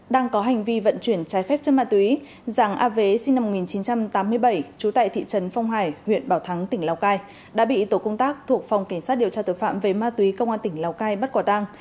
đang có hành vi vận chuyển trái phép chân ma túy giàng a vế sinh năm một nghìn chín trăm tám mươi bảy trú tại thị trấn phong hải huyện bảo thắng tỉnh lào cai đã bị tổ công tác thuộc phòng cảnh sát điều tra tội phạm về ma túy công an tỉnh lào cai bắt quả tăng